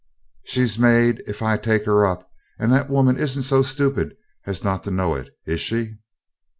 "She's made if I take her up, and the woman isn't so stupid as not to know it, is she?"